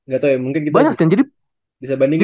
gak tau ya mungkin kita bisa bandingin ya